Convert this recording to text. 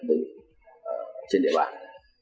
trên địa bàn